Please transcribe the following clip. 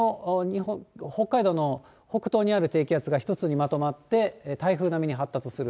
北海道の北東にある低気圧が一つにまとまって、台風並みに発達する。